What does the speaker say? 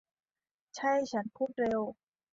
ใช่ ฉันพูดเร็ว